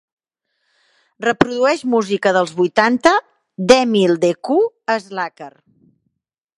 Reprodueix música dels vuitanta d'Emil De Cou a Slacker